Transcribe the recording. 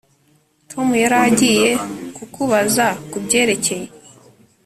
Tom yari agiye kukubaza kubyerekeye